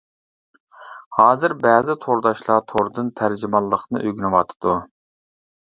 ھازىر بەزى تورداشلار توردىن تەرجىمانلىقنى ئۆگىنىۋاتىدۇ!